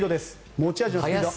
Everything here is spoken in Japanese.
持ち味のスピード。